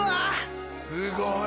すごい。